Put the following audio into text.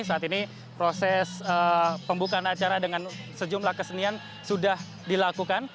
saat ini proses pembukaan acara dengan sejumlah kesenian sudah dilakukan